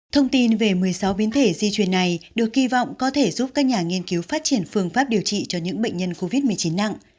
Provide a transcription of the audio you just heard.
thông tin về một mươi sáu biến thể di truyền này được kỳ vọng có thể giúp các nhà nghiên cứu phát triển phương pháp điều trị cho những bệnh nhân covid một mươi chín nặng